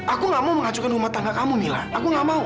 aku tidak mau menghancurkan rumah tangga kamu mila aku tidak mau